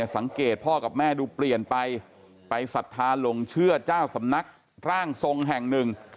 สังเกตพ่อกับแม่ดูเปลี่ยนไปไปศรัทธาหลงเชื่อเจ้าสำนักร่างทรงแห่งหนึ่ง